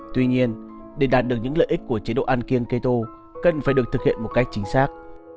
tuy nhiên để đạt được những lợi ích của chế độ ăn kiêng keto cần phải được thực hiện một cách chính xác